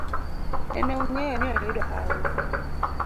Nene ong'eyo ni oyudo hawi